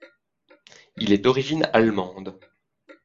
Il est d'origine allemande.